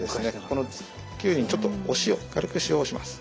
このきゅうりにちょっとお塩軽く塩をします。